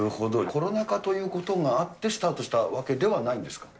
コロナ禍ということがあってスタートしたわけではないんですか。